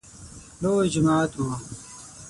لوی جماعت و .